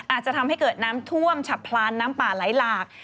อาจจะทำให้เกิดน้ำท่วมฉับพลันน้ำป่าไหลหลาก